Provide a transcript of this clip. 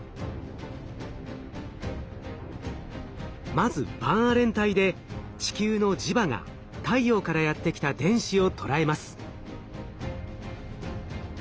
まずバンアレン帯で地球の磁場が太陽からやって来た電子をとらえます。